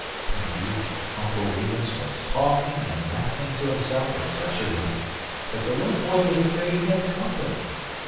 Indeed, Uncle Remus was talking and laughing to himself at such a rate that the little boy was afraid he had company.